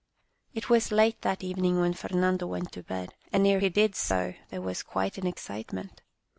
It was late that evening when Fernando went to bed, and ere he did so there was quite an excitement.